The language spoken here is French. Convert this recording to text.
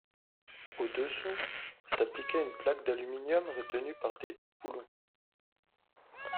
Au-dessous s’appliquait une plaque d’aluminium retenue par des boulons.